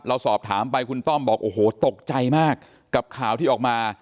เราสอบถามไปคุณต้อมบอกโอ้โหตกใจมากกับข่าวที่ออกมา